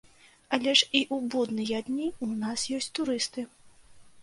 Але ж і ў будныя дні ў нас ёсць турысты.